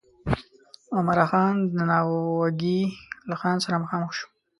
عمرا خان د ناوګي له خان سره مخامخ شو.